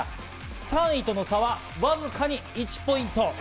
３位との差はわずかに１ポイント。